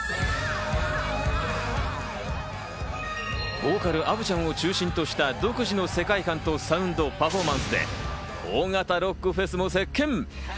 ボーカル、アヴちゃんを中心とした独自の世界観とサウンド、パフォーマンスで大型ロックフェスも席巻。